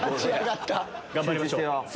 頑張りましょう。